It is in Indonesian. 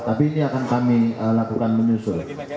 tapi ini akan kami lakukan menyusul